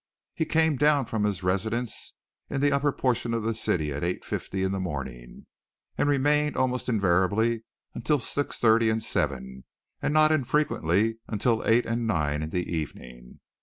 He came down from his residence in the upper portion of the city at eight fifty in the morning and remained almost invariably until six thirty and seven and not infrequently until eight and nine in the evening.